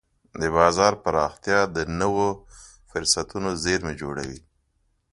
د بازار پراختیا د نوو فرصتونو زېرمې جوړوي.